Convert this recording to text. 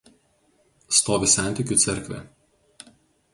Stovi sentikių cerkvė.